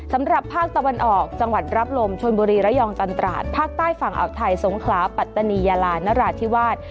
สำหรับภาคตะวันออกจังหวัดรับลมชนบุรีระยองจันตราดภาคใต้ฝั่งอ่าวไทยสงขลาปัตตานียาลานราธิวาส